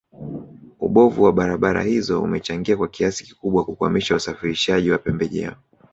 Ubovu wa barabara hizo umechangia kwa kiasi kikubwa kukwamisha usafirishaji wa pembejeo